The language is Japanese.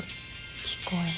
聞こえる。